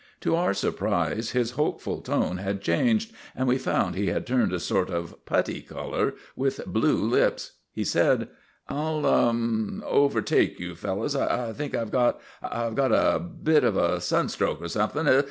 To our surprise his hopeful tone had changed, and we found he had turned a sort of putty color, with blue lips. He said: "I'll overtake you fellows. I think I've got I've got a bit of a sunstroke or something.